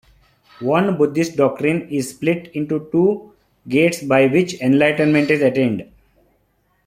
Won Buddhist doctrine is split into two gates by which enlightenment is attained.